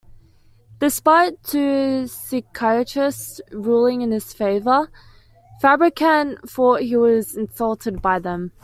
Despite two psychiatrists ruling in his favour, Fabrikant thought he was insulted by them.